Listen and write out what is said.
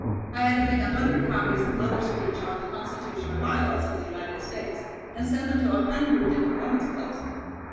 I had to make a hundred copies of mother's speech on 'The Constitution and By Laws of the United States,' and send them to a hundred different women's clubs.